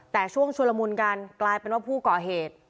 แต่ช่วงชุลมุนกันกลายเป็นว่าผู้ก่อเหตุ